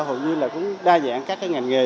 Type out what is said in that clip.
hầu như là cũng đa dạng các cái ngành nghề